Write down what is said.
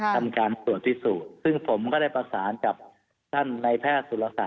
ทำการส่วนที่สูตรซึ่งผมก็ได้ปรักษาจากท่านในแพทย์สุรศัพท์